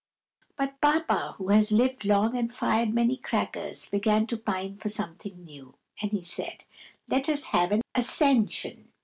But Papa, who has lived long and fired many crackers, began to pine for something new, and he said, "Let us have an ascension!"